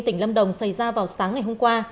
tỉnh lâm đồng xảy ra vào sáng ngày hôm qua